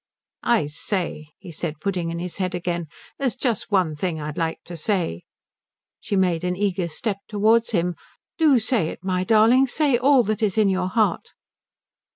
"I say," he said, putting in his head again, "there's just one thing I'd like to say." She made an eager step towards him. "Do say it my darling say all that is in your heart."